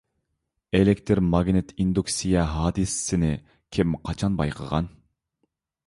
ئېلېكتىر ماگنىت ئىندۇكسىيە ھادىسىسىنى كىم، قاچان بايقىغان؟